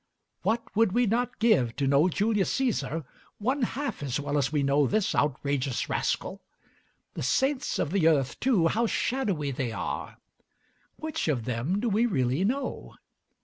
What would we not give to know Julius Cæsar one half as well as we know this outrageous rascal? The saints of the earth, too, how shadowy they are! Which of them do we really know?